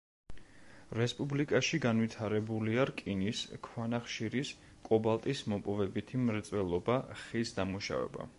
რესპუბლიკაში განვითარებულია რკინის, ქვანახშირის, კობალტის მოპოვებითი მრეწველობა, ხის დამუშავება.